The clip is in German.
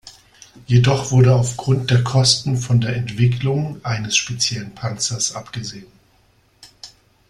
Jedoch wurde aufgrund der Kosten von der Entwicklung eines speziellen Panzers abgesehen.